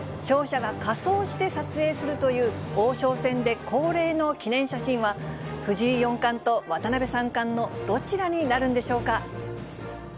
勝者が仮装して撮影するという王将戦で恒例の記念写真は、藤井四冠と渡辺三冠のどちらになるんでしょうか。